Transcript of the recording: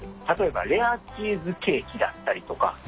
「例えばレアチーズケーキだったりとか」